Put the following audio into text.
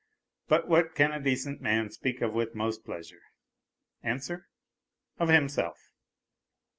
g But what can a decent man speak of with most pleasure ? Answer : Of himself.